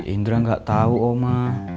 indra gak tau oma